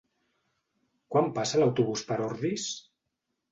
Quan passa l'autobús per Ordis?